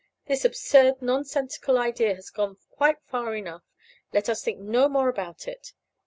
"This absurd, nonsensical idea has gone quite far enough. Let us think no more about it."